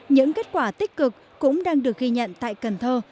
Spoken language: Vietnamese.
những kết quả tích cực cũng đang được ghi nhận tại cần thơ